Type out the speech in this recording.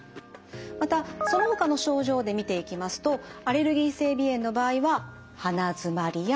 またそのほかの症状で見ていきますとアレルギー性鼻炎の場合は鼻づまりやくしゃみ。